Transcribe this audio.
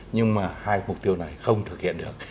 nhưng mà hai mục tiêu này không thực hiện được